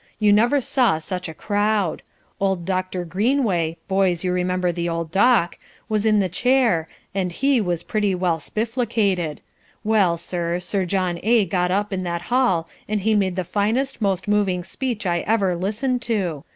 You never saw such a crowd. Old Dr. Greenway (boys, you remember the old Doc) was in the chair, and he was pretty well spifflocated. Well, sir, Sir John A. got up in that hall and he made the finest, most moving speech I ever listened to.